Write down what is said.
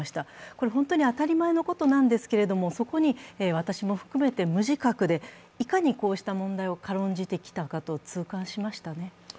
これホントに当たり前のことなんですけどそこに私も含めて無自覚で、いかにこうした問題を軽んじてきたかと痛感しましたね。